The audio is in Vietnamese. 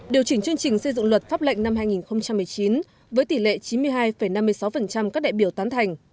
điều chỉnh chương trình xây dựng luật pháp lệnh năm hai nghìn một mươi chín với tỷ lệ chín mươi hai năm mươi sáu các đại biểu tán thành